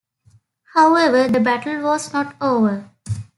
However, the battle was not over.